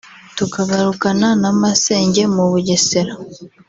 tukagarukana na masenge mu Bugesera